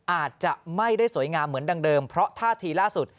อาจจะไม่ได้สวยงามเหมือนดังเดิมเพราะท่าทีล่าสุด